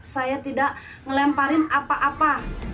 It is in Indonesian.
saya tidak melemparin apa apa